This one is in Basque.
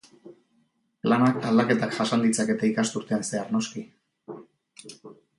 Planak aldaketak jasan ditzake ikasturtean zehar, noski.